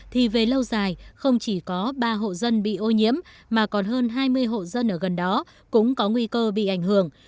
thì về lâu dài không chỉ có ba hộ dân bị ô nhiễm mà còn hơn hai mươi hộ dân ở gần đó cũng có nguy cơ bị ảnh hưởng